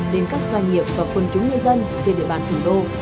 đến các doanh nghiệp và quân chúng nhân dân trên địa bàn thủ đô